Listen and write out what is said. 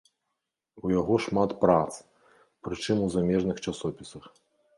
У яго шмат прац, прычым у замежных часопісах.